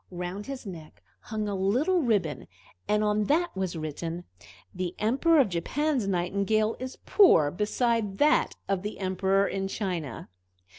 Round his neck hung a little ribbon, and on that was written, "The Emperor of Japan's Nightingale is poor beside that of the Emperor in China."